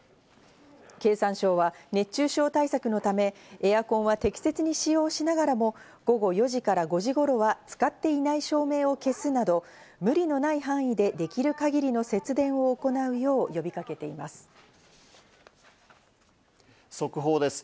経産省は熱中症対策のため、エアコンは適切に使用しながらも、午後４時から５時頃は、使っていない照明を消すなど無理のない範囲で、できる限りの節電を行うよう呼びかけています。